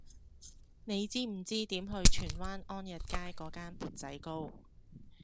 你知唔知點去荃灣安逸街嗰間缽仔糕